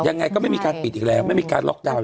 ยังไงก็ไม่มีการปิดอีกแล้วไม่มีการล็อกดาวน์